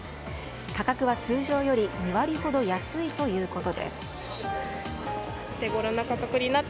価格は通常より２割ほど安いということです。